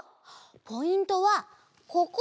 ポイントはここ！